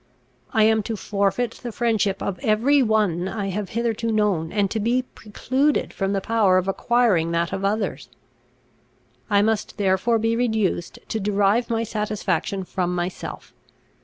I am to forfeit the friendship of every one I have hitherto known, and to be precluded from the power of acquiring that of others. I must therefore be reduced to derive my satisfaction from myself.